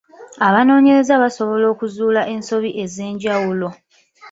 Abanoonyereza baasobola okuzuula ensobi ez’enjawulo.